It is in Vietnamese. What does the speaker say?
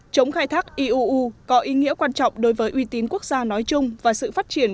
chống khai thác iuu có ý nghĩa quan trọng đối với uy tín quốc gia nói chung và sự phát triển